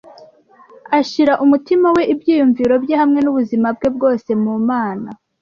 ashira umutima we ibyumviro bye hamwe nubuzima bwe bwose mu mana